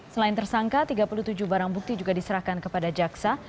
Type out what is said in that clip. selain tersangka tiga puluh tujuh barang bukti juga diserahkan kepada jaksa